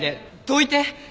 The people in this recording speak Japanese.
どいて！